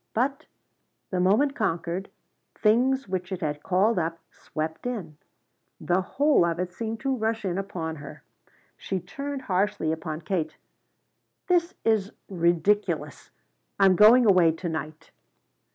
But, the moment conquered, things which it had called up swept in. The whole of it seemed to rush in upon her. She turned harshly upon Katie. "This is ridiculous! I'm going away to night!"